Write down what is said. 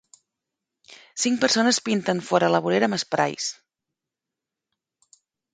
Cinc persones pinten fora a la vorera amb esprais.